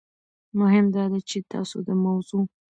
مهم داده چې تاسو د موضوع